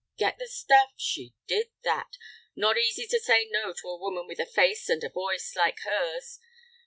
Get the stuff? She did that. Not easy to say no to a woman with a face and a voice like hers.